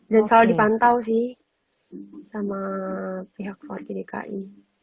dan selalu dipantau sih sama pihak forky dki